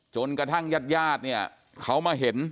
จนกระทั่งญาติญาติเนี่ยเขามาเห็น